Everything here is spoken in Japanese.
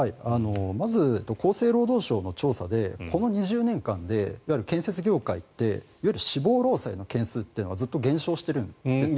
まず、厚生労働省の調査でこの２０年間で建設業界って死亡労災の件数というのがずっと減少しているんですね。